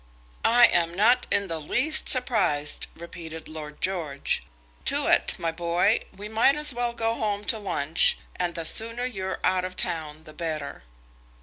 "I am not in the least surprised," repeated Lord George. "Tewett, my boy, we might as well go home to lunch, and the sooner you're out of town the better."